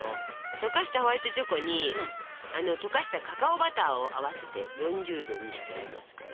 溶かしたホワイトチョコに溶かしたカカオバターを合わせて４０℃にしてありますから。